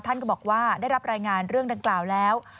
ท่านก็บอกว่าได้รับรายงานเรื่องดังกล่าวแล้ว